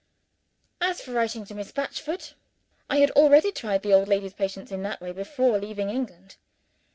As for writing to Miss Batchford, I had already tried the old lady's patience in that way, before leaving England.